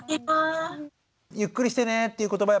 「ゆっくりしてね」っていう言葉